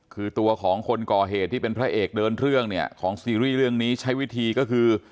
คือตัวของคนก่อเหตุที่เป็นพระเอกเดินเรื่องเนี่ยของซีรีส์เรื่องนี้ใช้วิธีก็คือ